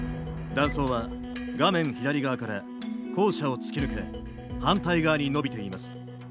断層は画面左側から校舎を突き抜け反対側にのびています。